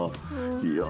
いや